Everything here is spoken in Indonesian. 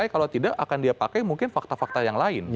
kalau tidak akan dia pakai mungkin fakta fakta yang lain